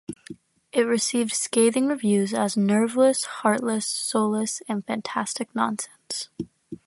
It received scathing reviews as "nerveless, heartless, soulless" and "fantastic nonsense.